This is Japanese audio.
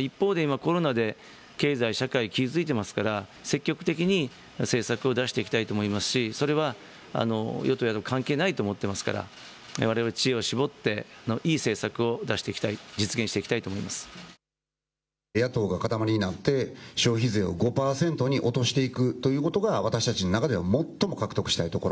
一方で、今コロナで経済、社会、傷ついていますから、積極的に政策を出していきたいと思いますし、それは与党、野党関係ないと思っていますから、われわれ知恵を絞って、いい政策を出していきたい、野党が固まりになって、消費税を５％に落としていくということが、私たちの中ではもっとも獲得したいところ。